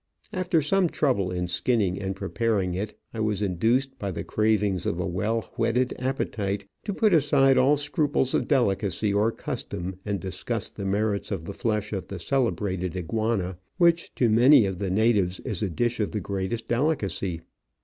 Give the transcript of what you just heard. After some trouble in skinning and preparing it, I was induced by the cravings of a well whetted appetite to put aside all scruples of delicacy or custom and discuss the merits of the flesh of the celebrated iguana, which to many of the natives is a dish of the greatest delicacy.